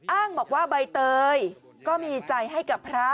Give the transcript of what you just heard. อ้างบอกว่าใบเตยก็มีใจให้กับพระ